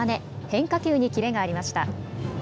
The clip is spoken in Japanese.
変化球にキレがありました。